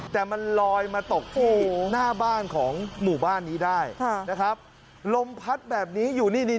แต่มันลอยมาตกที่หน้าบ้านของหมู่บ้านนี้ได้ค่ะนะครับลมพัดแบบนี้อยู่นี่นี่